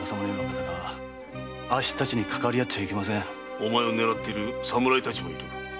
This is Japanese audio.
お前を狙っている侍たちもいる。